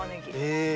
へえ。